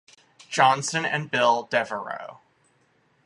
Johnson and Bill Devereux.